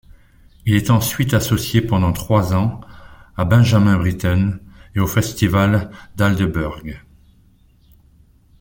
Il est ensuite associé pendant trois ans à Benjamin Britten et au festival d'Aldeburgh.